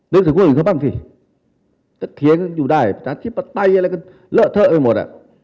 เลือกสิ่งคุณอื่นก็บ้างสิถ้าเคียงก็อยู่ได้ประสาทธิปไตรอะไรก็เลอะเทอะไปหมดอ่ะ